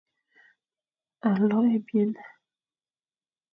Alo ebyen,